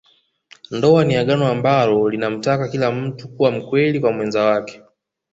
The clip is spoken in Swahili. Ndoa ni Agano ambalo linamtaka kila mtu kuwa mkweli kwa mwenza wake